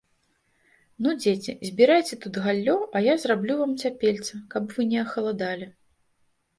- Ну, дзеці, збірайце тут галлё, а я зраблю вам цяпельца, каб вы не ахаладалі